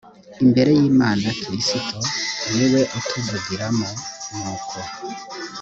imbere y imana kristo ni we utuvugiramo nuko